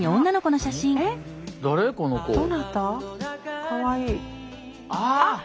あかわいい。